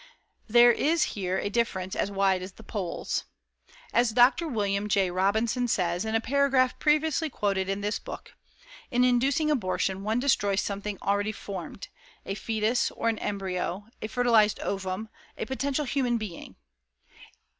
There is here a difference as wide as the poles. As Dr. William J. Robinson says, in a paragraph previously quoted in this book: "In inducing abortion, one destroys something already formed a foetus, or an embryo, a fertilized ovum, a potential human being.